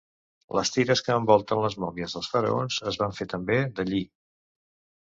Les tires que envolten les mòmies dels faraons es van fer també de lli.